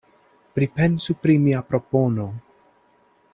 Pripensu pri mia propono.